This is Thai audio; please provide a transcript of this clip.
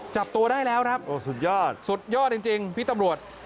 จับตัวได้แล้วครับโอ้สุดยอดสุดยอดจริงพี่ตำรวจ